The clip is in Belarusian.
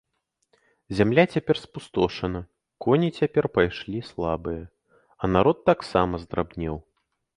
Зямля цяпер спустошана, коні цяпер пайшлі слабыя, а народ таксама здрабнеў.